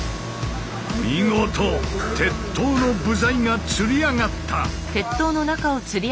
見事鉄塔の部材がつり上がった。